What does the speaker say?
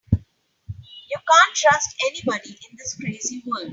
You can't trust anybody in this crazy world.